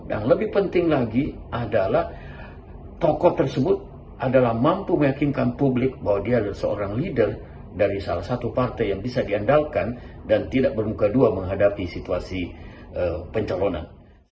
yang lebih penting lagi adalah tokoh tersebut adalah mampu meyakinkan publik bahwa dia adalah seorang leader dari salah satu partai yang bisa diandalkan dan tidak bermuka dua menghadapi situasi pencalonan